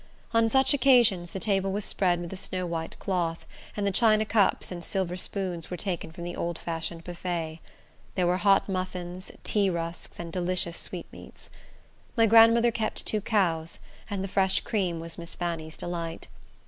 On such occasions the table was spread with a snow white cloth, and the china cups and silver spoons were taken from the old fashioned buffet. There were hot muffins, tea rusks, and delicious sweetmeats. My grandmother kept two cows, and the fresh cream was Miss Fanny's delight.